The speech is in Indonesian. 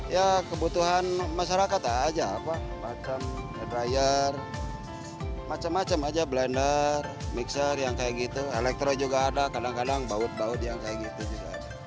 ya kebutuhan masyarakat aja apa macam dryer macam macam aja blender mixer yang kayak gitu elektro juga ada kadang kadang baut baut yang kayak gitu juga